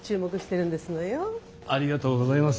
ありがとうございます。